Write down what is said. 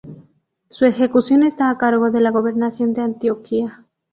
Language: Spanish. Su ejecución está a cargo de la Gobernación de Antioquia.